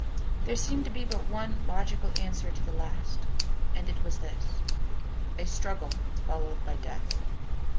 There seemed to be but one logical answer to the last, and it was this: A struggle followed by death.